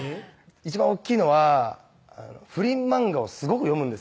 一番大っきいのは不倫漫画をすごく読むんですよ